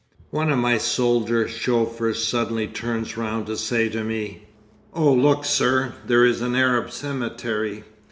One of my soldier chauffeurs suddenly turns round to say to me: "Oh look, sir, there is an Arab cemetery.